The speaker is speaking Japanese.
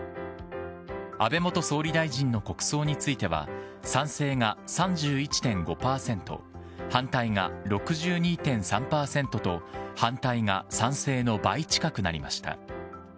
安倍元総理大臣の国葬については、賛成が３１．５％、反対が６２．３％と、反対が賛成の倍近くなりました。